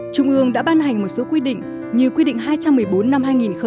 trung ương đã ban hành một số quy định như quy định hai trăm một mươi bốn năm hai nghìn một mươi